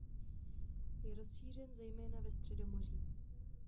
Je rozšířen zejména ve Středomoří.